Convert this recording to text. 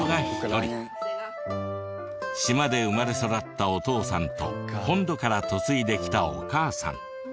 島で生まれ育ったお父さんと本土から嫁いできたお母さん。